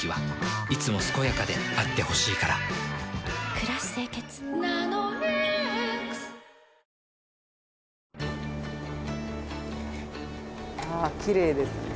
くらし清潔「ナノイーＸ」ああきれいですね